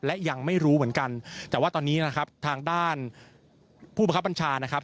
และยังไม่รู้เหมือนกันแต่ว่าตอนนี้นะครับทางด้านผู้ประคับบัญชานะครับ